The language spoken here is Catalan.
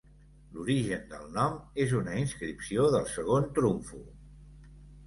L'origen del nom és una inscripció del segon trumfo.